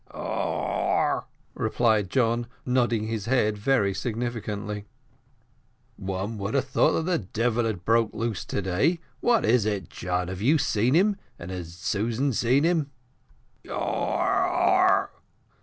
"Aw yaw aw!" replied John, nodding his head very significantly. "One would think that the devil had broke loose to day. What is it, John? Have you seen him, and has Susan seen him?" "Aw yaw."